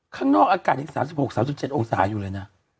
ข้างนอกอากาศยัง๓๖๓๗องศาอยู่เลยนะ